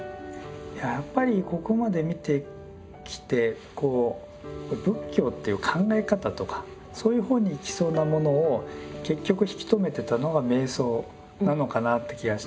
いややっぱりここまで見てきて仏教という考え方とかそういう方に行きそうなものを結局引き止めてたのが瞑想なのかなって気がして。